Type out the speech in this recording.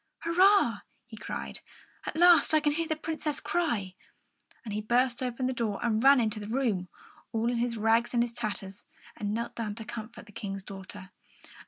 "Hurrah!" he cried. "At last I can hear the Princess cry!" And he burst open the door and ran into the room, all in his rags and his tatters, and knelt down to comfort the King's daughter.